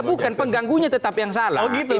bukan pengganggunya tetap yang salah gitu